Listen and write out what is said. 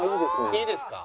いいですか？